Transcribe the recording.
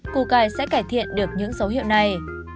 củ cải sẽ cải thiện được những dấu hiệu này